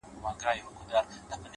• ته به راځې او زه به تللی یمه ,